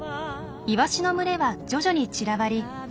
イワシの群れは徐々に散らばり